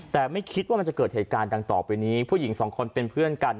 แต่ไม่คิดว่ามันจะเกิดเหตุการณ์ดังต่อไปนี้ผู้หญิงสองคนเป็นเพื่อนกัน